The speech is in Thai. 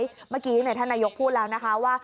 เมื่อกี้ท่านนายกพูดแล้วนะคะว่า